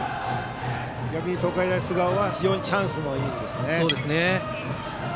逆に東海大菅生は非常にチャンスのイニングですね。